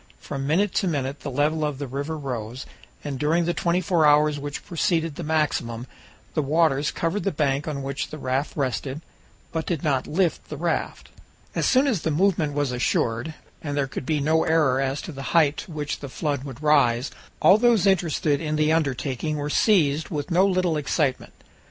From minute to minute the level of the river rose, and during the twenty four hours which preceded the maximum the waters covered the bank on which the raft rested, but did not lift the raft. As soon as the movement was assured, and there could be no error as to the height to which the flood would rise, all those interested in the undertaking were seized with no little excitement.